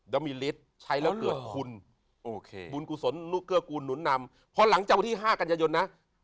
แล้วมีฤทธิ์ใช้แล้วเกิดคุณโอเคบุญกุศลนุเกื้อกูลหนุนนำพอหลังจากวันที่๕กันยายนนะ